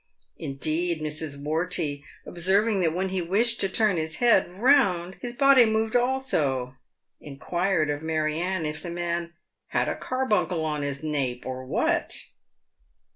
Indeed, Mrs. Wortey, observing that when he wished to turn his head round his body moved also, inquired of Mary Anne if the man " had a carbuncle on his nape — or what